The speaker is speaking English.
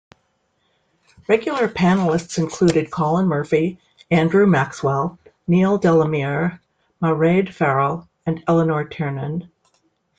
Regular panellists included Colin Murphy, Andrew Maxwell, Neil Delamere, Mairead Farrell and Eleanor Tiernan.